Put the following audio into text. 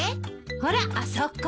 ほらあそこ。